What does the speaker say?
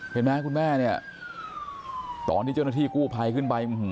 เห็นไหมคู่แม่ตอนที่เจ้าหน้าที่กู้ไภขึ้นไป